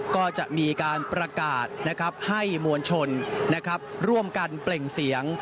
ก็จะมีการประกาศให้มวลชนร่วมกันเปล่งเสียง